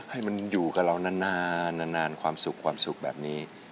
ให้มันอยู่กับเรานานความสุขความสุขแบบนี้